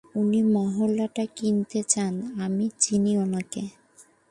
উনি মহলটা কিনতে চান, আমি চিনি উনাকে।